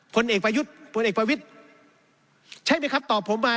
ผลเอกประยุทธ์พลเอกประวิทธิ์ใช่ไหมครับตอบผมมา